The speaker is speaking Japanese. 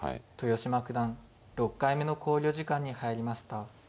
豊島九段６回目の考慮時間に入りました。